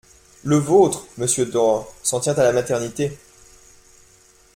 Le vôtre, monsieur Door, s’en tient à la maternité.